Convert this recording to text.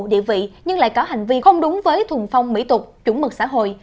địa vị nhưng lại có hành vi không đúng với thùng phong mỹ tục chuẩn mực xã hội